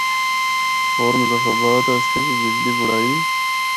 ہور مظفرآباد اسطے بھی بجلی بنڑائی۔